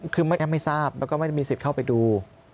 คือแอปไม่ทราบแล้วก็ไม่ได้มีสิทธิ์เข้าไปดู